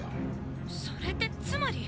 それってつまり。